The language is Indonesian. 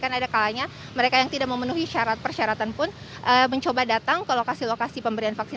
karena ada kalanya mereka yang tidak memenuhi syarat persyaratan pun mencoba datang ke lokasi lokasi pemberian vaksin